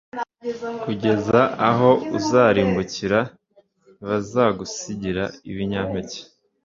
kugeza aho uzarimbukira.+ ntibazagusigira ibinyampeke